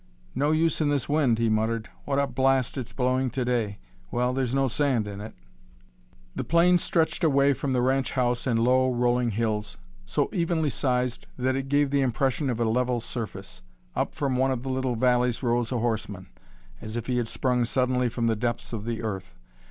"No use, in this wind," he muttered. "What a blast it's blowing to day! Well, there's no sand in it." The plain stretched away from the ranch house in low, rolling hills, so evenly sized that it gave the impression of a level surface. Up from one of the little valleys rose a horseman, as if he had sprung suddenly from the depths of the earth.